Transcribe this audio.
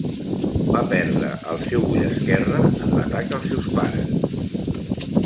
Va perdre el seu ull esquerre en l'atac als seus pares.